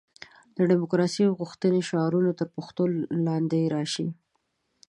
د دیموکراسي غوښتنې شعارونه تر پوښتنې لاندې راشي.